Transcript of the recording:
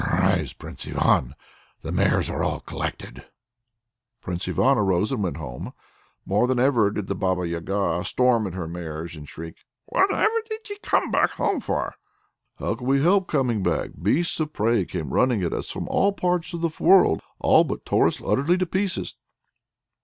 "Arise, Prince Ivan! The mares are all collected." Prince Ivan arose and went home. More than ever did the Baba Yaga storm at her mares and shriek: "Whatever did ye come back home for?" "How could we help coming back? Beasts of prey came running at us from all parts of the world, all but tore us utterly to pieces."